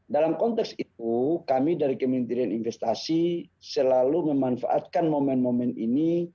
dalam konteks itu kami dari kementerian investasi selalu memanfaatkan momen momen ini